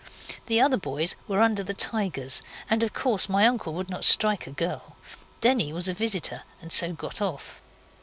The other boys were under the tigers and of course my uncle would not strike a girl. Denny was a visitor and so got off.